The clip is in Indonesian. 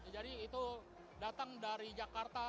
jadi itu datang dari jakarta